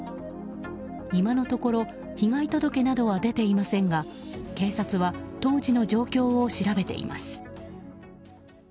今のところ被害届などは出ていませんが警察は当時の状況を調べています。